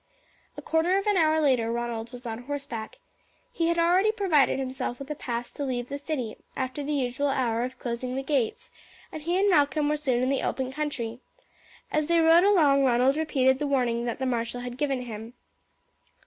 A quarter of an hour later Ronald was on horseback. He had already provided himself with a pass to leave the city after the usual hour of closing the gates, and he and Malcolm were soon in the open country. As they rode along Ronald repeated the warning that the marshal had given him.